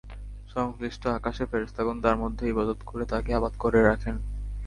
সংশ্লিষ্ট আকাশের ফেরেশতাগণ তার মধ্যে ইবাদত করে তাকে আবাদ করে রাখেন।